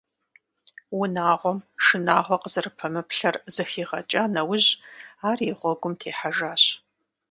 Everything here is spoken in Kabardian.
Унагъуэм шынагъуэ къызэрыпэмыплъэр зэхигъэкӀа нэужь ар и гъуэгум техьэжащ.